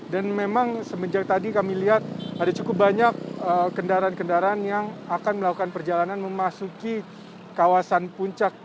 dan memang semenjak tadi kami lihat ada cukup banyak kendaraan kendaraan yang akan melakukan perjalanan memasuki kawasan puncak